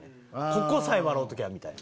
ここさえ笑うときゃみたいな。